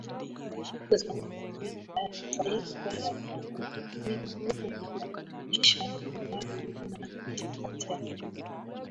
za ofisi ya Taifa ya takwimu unabainisha kuwa milima tisa kati ya kumi